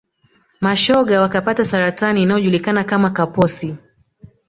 mashoga wakapata saratani inayojulikana kama kaposi